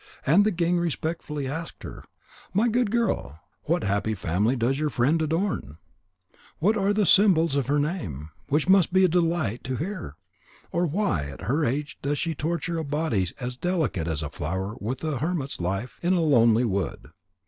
And the king respectfully asked her: "My good girl, what happy family does your friend adorn? What are the syllables of her name, which must be a delight to the ear? Or why at her age does she torture a body as delicate as a flower with a hermit's life in a lonely wood?"